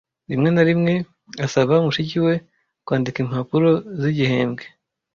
Rimwe na rimwe asaba mushiki we kwandika impapuro z'igihembwe.